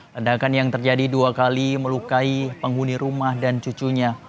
ledakan yang terjadi dua kali melukai penghuni rumah dan cucunya